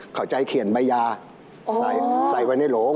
เข้าใจเขียนใบยาใส่ไว้ในโหล